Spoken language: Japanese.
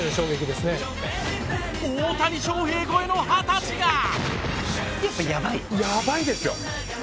大谷翔平超えの二十歳が。